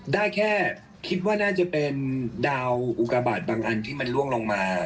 ได้แค่คิดว่าน่าจะเป็นดาวอุกาบาทบางอันที่มันล่วงลงมา